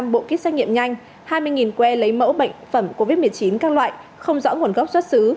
một mươi bộ kit xét nghiệm nhanh hai mươi que lấy mẫu bệnh phẩm covid một mươi chín các loại không rõ nguồn gốc xuất xứ